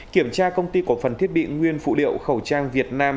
kiểm tra công ty cổ phần thiết bị nguyên phụ liệu khẩu trang việt nam